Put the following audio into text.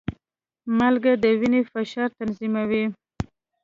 مالګه د وینې فشار تنظیموي.